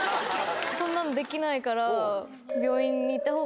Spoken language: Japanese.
そんなのできないから。